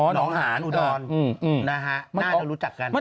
หนองหาหนูนอนน่าจะรู้จักกัน